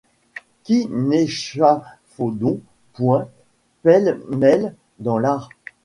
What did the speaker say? Qui n'échafaudons point pêle-mêle dans l'art